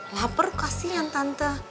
laper kasihnya tante